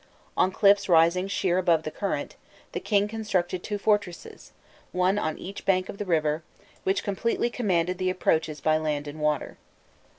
On cliffs rising sheer above the current, the king constructed two fortresses, one on each bank of the river, which completely commanded the approaches by land and water.